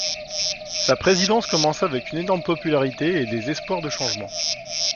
Sa présidence commença avec une énorme popularité et des espoirs de changements.